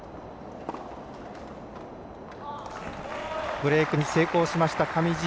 ブレークに成功しました、上地。